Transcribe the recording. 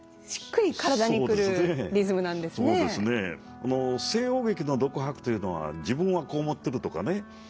この西洋劇の独白というのは「自分はこう思ってる」とかね